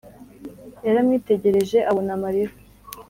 yaramwitegereje abona amarira